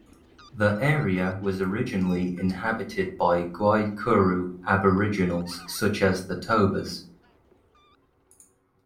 The area was originally inhabited by Guaycuru aboriginals such as the Tobas.